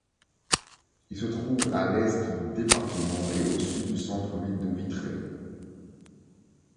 Il se trouve à l'est du département et au sud du centre-ville de Vitré.